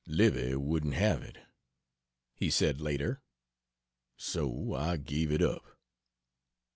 "Livy wouldn't have it," he said later, "so I gave it up."